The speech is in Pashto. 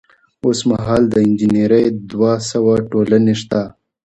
اوس مهال د انجنیری دوه سوه ټولنې شته.